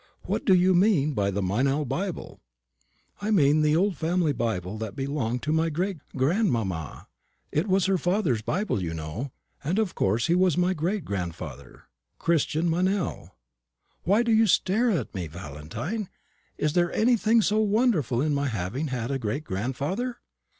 "What do you mean by the Meynell Bible?" "I mean the old family Bible that belonged to my grand mamma. It was her father's Bible, you know; and of course he was my great grandfather Christian Meynell. Why, how you stare at me, Valentine! Is there anything so wonderful in my having had a great grandfather?"